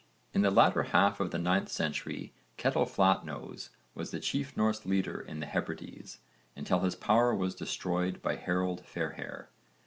In the latter half of the 9th century Ketill Flatnose was the chief Norse leader in the Hebrides until his power was destroyed by Harold Fairhair.